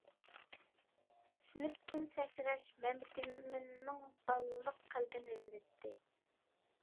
سىنىپتىن «سەكرەش» مەمتىمىننىڭ بالىلىق قەلبىنى ئىللىتتى.